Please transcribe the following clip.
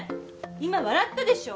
今笑ったでしょう。